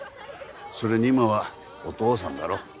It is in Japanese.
それに今はお父さんだろう。